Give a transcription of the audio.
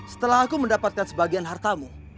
setelah aku mendapatkan sebagian hartamu